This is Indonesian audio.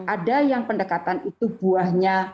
ada yang pendekatan itu buahnya